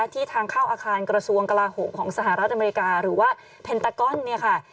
ที่ทางเข้าอาคารกระทรวงกลาโหมของสหรัฐอเมริกาหรือว่าเพนตากอนเนี่ยค่ะ